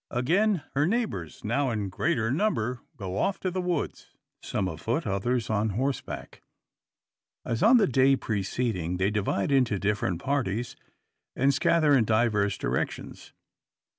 Again her neighbours, now in greater number, go off to the woods, some afoot, others on horseback. As on the day preceding, they divide into different parties, and scatter in diverse directions.